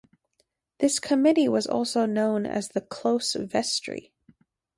This committee was also known as the "close vestry".